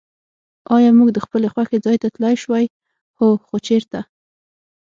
آیا موږ د خپل خوښي ځای ته تللای شوای؟ هو. خو چېرته؟